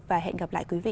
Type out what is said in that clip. và hẹn gặp lại quý vị